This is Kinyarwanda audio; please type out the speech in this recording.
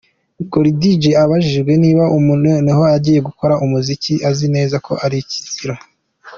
Croidja abajijwe niba ubu noneho agiye gukora umuziki azi neza ko ari ikizira.